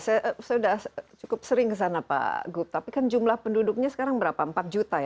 saya sudah cukup sering kesana pak gub tapi kan jumlah penduduknya sekarang berapa empat juta ya